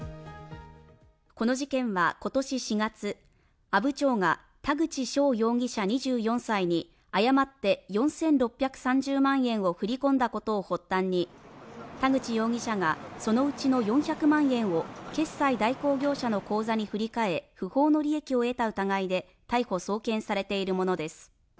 この事件は今年４月、阿武町が田口翔容疑者２４歳に誤って４６３０万円を振り込んだことを発端に、田口容疑者が、そのうちの４００万円を決済代行業者の口座に振り替え、不法の利益を得た疑いで逮捕・送検されているものです。